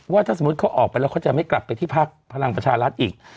ว่าถ้าสมมุติเขาออกไปแล้วเขาจะไม่กลับไปที่พักพลังประชารัฐอีก